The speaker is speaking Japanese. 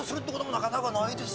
なかなかないです。